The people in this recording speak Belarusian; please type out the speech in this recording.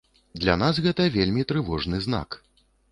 Для нас гэта вельмі трывожны знак.